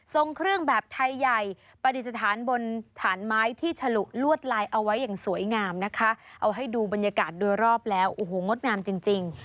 เครื่องแบบไทยใหญ่ปฏิสถานบนฐานไม้ที่ฉลุลวดลายเอาไว้อย่างสวยงามนะคะเอาให้ดูบรรยากาศโดยรอบแล้วโอ้โหงดงามจริงจริง